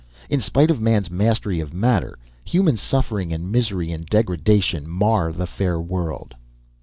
In spite of man's mastery of matter, human suffering and misery and degradation mar the fair world.